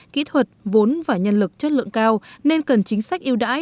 kỹ thuật vốn và nhân lực chất lượng cao nên cần chính sách yêu đãi